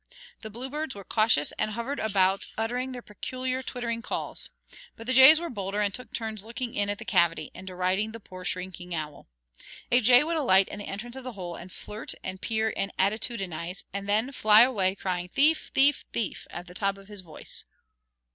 The bluebirds were cautious and hovered about uttering their peculiar twittering calls; but the jays were bolder and took turns looking in at the cavity, and deriding the poor shrinking owl. A jay would alight in the entrance of the hole and flirt and peer and attitudinize, and then flyaway crying "Thief, thief, thief!" at the top of his voice.